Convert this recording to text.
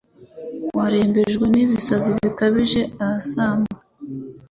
warembejwe n'ibisazi bikabije asamba,